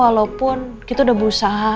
walaupun kita udah berusaha